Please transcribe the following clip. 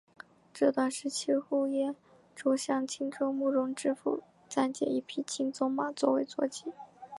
这段时期呼延灼向青州慕容知府暂借一匹青鬃马为坐骑。